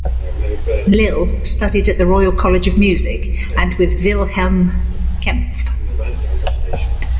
Lill studied at the Royal College of Music and with Wilhelm Kempff.